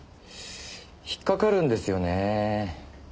引っかかるんですよねぇ。